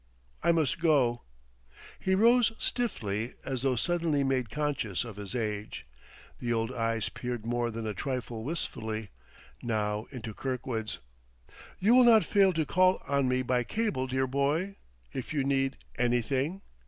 I must go." He rose stiffly, as though suddenly made conscious of his age. The old eyes peered more than a trifle wistfully, now, into Kirkwood's. "You will not fail to call on me by cable, dear boy, if you need anything?